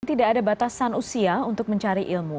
tidak ada batasan usia untuk mencari ilmu